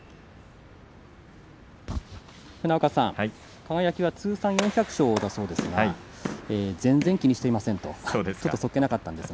輝は通算４００勝だそうですが全然、気にしていませんとそっけなかったです。